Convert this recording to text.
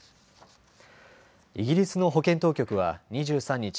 イギリスの保健当局は２３日